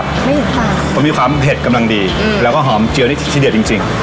เพราะมีความเผ็ดกำลังดีอืมแล้วก็หอมเจียวนี้ชิดเดียวจริงจริง